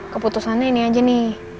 keputusannya ini aja nih